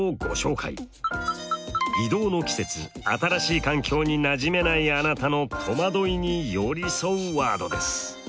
異動の季節新しい環境になじめないあなたの戸惑いによりそワードです。